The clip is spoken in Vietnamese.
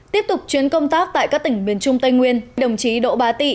tiếp tục chuyến công tác tại các tỉnh miền trung tây nguyên đồng chí đỗ bá tị